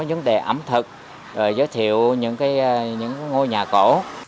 vấn đề ẩm thực giới thiệu những ngôi nhà cổ